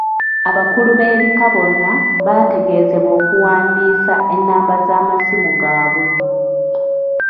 Abakulu b'ebika bonna baategeezebwa okuwandiisa ennamba z'amasimu gaabwe.